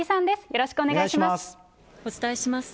よろしくお願いします。